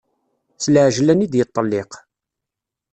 S lɛejlan i d-yeṭelliq.